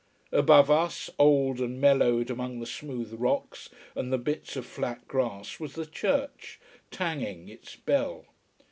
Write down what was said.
Above us, old and mellowed among the smooth rocks and the bits of flat grass was the church, tanging its bell.